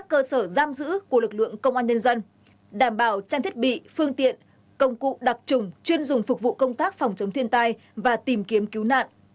quan nhân dân đảm bảo trang thiết bị phương tiện công cụ đặc trùng chuyên dùng phục vụ công tác phòng chống thiên tai và tìm kiếm cứu nạn